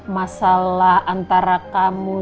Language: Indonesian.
masalah antara kamu